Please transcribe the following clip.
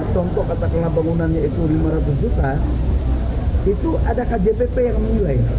contoh katakanlah bangunannya itu lima ratus juta itu ada kjpp yang menilai